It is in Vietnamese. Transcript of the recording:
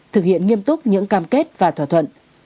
thực hiện nghiêm túc những cam kết và thỏa thuận